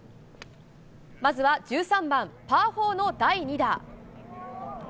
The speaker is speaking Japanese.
まずは１３番、パー４の第２打。